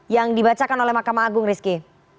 yang dibacakan oleh mahkamah agung rizky